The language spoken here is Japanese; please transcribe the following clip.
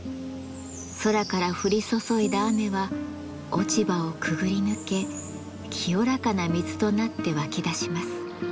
空から降り注いだ雨は落ち葉をくぐり抜け清らかな水となって湧き出します。